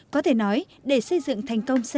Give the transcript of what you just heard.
có thể nói để xây dựng thành công sân chơi